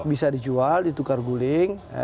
bisa dijual ditukar guling